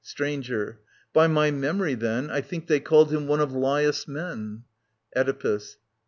Stranger. By my memory, then, I think they called him one of LaTus* men. Oedipus.